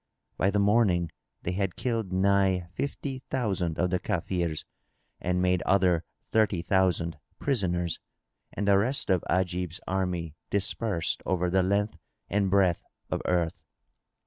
By the morning they had killed nigh fifty thousand of the Kafirs and made other thirty thousand prisoners, and the rest of Ajib's army dispersed over the length and breadth of earth.